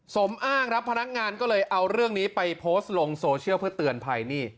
สมอ้างครับพนักงานก็เลยเอาเรื่องนี้ไปโพสต์ลงโซเชียลเพื่อเตือนภัยนี่